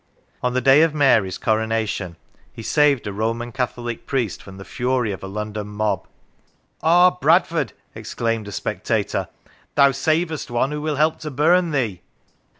On the day of Mary's Coronation he saved a Roman Catholic priest from the fury of a London mob. " Ah ! Bradford," exclaimed a spectator, " thou savest one who will help to burn thee."